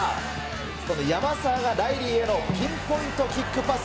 この山沢がライリーへのピンポイントキックパス。